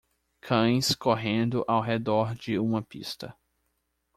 Cães correndo ao redor de uma pista